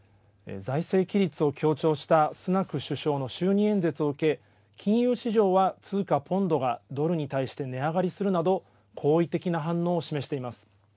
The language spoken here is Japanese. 財政規律を強調したスナク首相の就任演説を受け金融市場は通貨ポンドがドルに対して値上がりするなど好意的な反応を示しています。